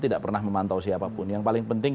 tidak pernah memantau siapapun yang paling penting